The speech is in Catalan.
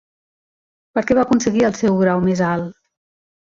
Per què va aconseguir el seu grau més alt?